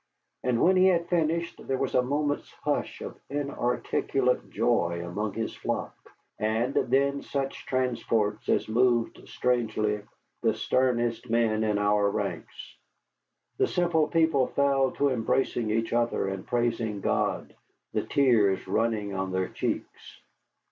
And when he had finished there was a moment's hush of inarticulate joy among his flock, and then such transports as moved strangely the sternest men in our ranks. The simple people fell to embracing each other and praising God, the tears running on their cheeks.